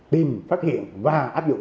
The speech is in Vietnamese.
tìm phát hiện và áp dụng